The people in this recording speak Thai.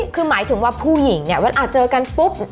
คือหมายถึงว่าผู้หญิงเนี่ยเวลาเจอกันปุ๊บ